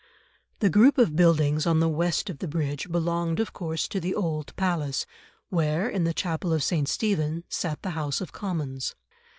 The group of buildings on the west of the bridge belonged of course to the old Palace, where, in the chapel of St. Stephen, sat the House of Commons.